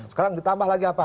sekarang ditambah lagi apa